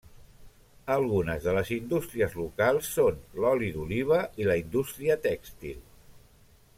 Algunes de les indústries locals són l'oli d'oliva i la indústria tèxtil.